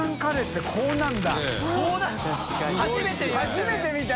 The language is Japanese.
初めて見ました。